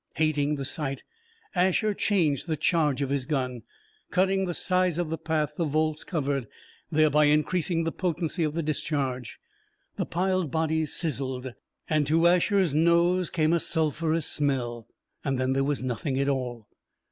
Hating the sight, Asher changed the charge of his gun, cutting the size of the path the volts covered, thereby increasing the potency of the discharge. The piled bodies sizzled, and to Asher's nose came a sulphurous smell. Then, there was nothing at all....